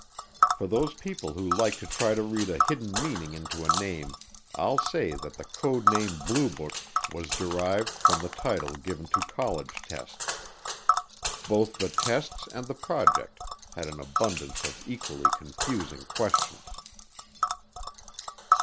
For those people who like to try to read a hidden meaning into a name, I'll say that the code name Blue Book was derived from the title given to college tests. Both the tests and the project had an abundance of equally confusing questions.